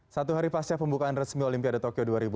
satu hari pasca pembukaan resmi olimpiade tokyo dua ribu dua puluh